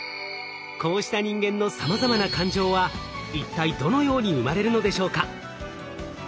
こうした人間のさまざまな感情は一体どのように生まれるのでしょうか？